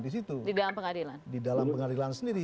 di dalam pengadilan sendiri